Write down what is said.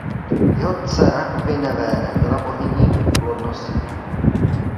Jeho dcera Gwynevere byla bohyní plodnosti.